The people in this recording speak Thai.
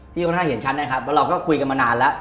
พี่กองหน้าเห็นฉันนะครับแล้วเราก็คุยกันมานานแล้ว